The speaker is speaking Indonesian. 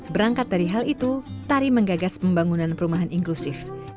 berangkat dari hal itu tari menggagas pembangunan perumahan inklusif